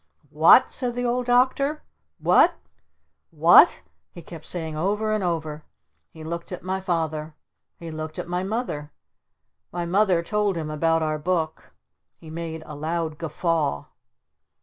"What?" said the old Doctor. "What? W h a t?" he kept saying over and over. He looked at my Father. He looked at my Mother. My Mother told him about our Book. He made a loud Guffaw.